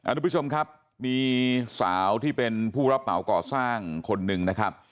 ทุกผู้ชมครับมีสาวที่เป็นผู้รับเหมาก่อสร้างคนหนึ่งนะครับ